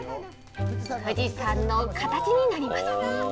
富士山の形になります。